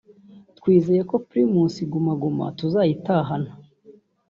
twizeye ko Primus Guma Guma tuzayitahana